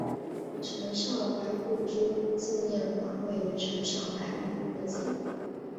陈少白故居纪念馆位于陈少白墓附近。